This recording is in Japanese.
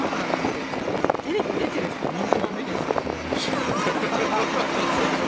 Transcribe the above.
テレビに出てる人だったらみんなだめですよ。